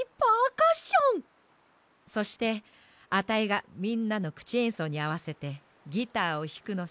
そしてアタイがみんなのくちえんそうにあわせてギターをひくのさ。